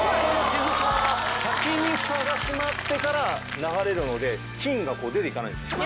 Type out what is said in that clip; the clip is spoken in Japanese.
先にフタが閉まってから流れるので菌が出ていかないんです。